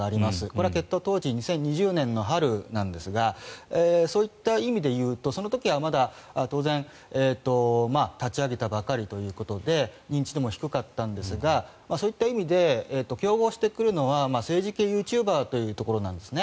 これは結党当時ですがそういった意味で言うとその時はまだ当然立ち上げたばかりということで認知度も低かったんですがそういう意味で競合してくるのは政治系ユーチューバーということなんです。